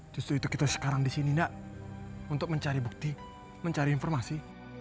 justru itu kita sekarang di sini nak untuk mencari bukti mencari informasi